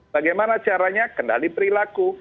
bagaimana caranya kendali perilaku